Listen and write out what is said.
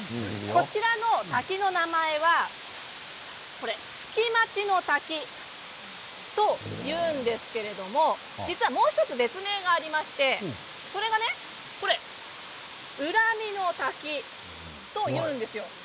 こちらの滝の名前は月待の滝というんですけれども実は、もう１つ別名がありましてそれが裏見の滝というんですよ。